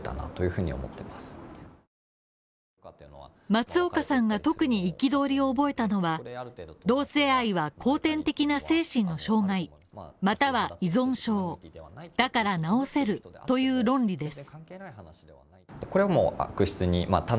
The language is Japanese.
松岡さんが特に憤りを覚えたのは同性愛は後天的な精神の障害または依存症、だから治せるという論理です。